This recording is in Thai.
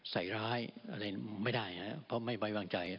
ใสร้ายอะไรไม่ได้นะเพราะไม่บังใจ